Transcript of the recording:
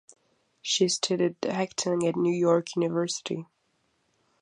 She studied acting at New York University.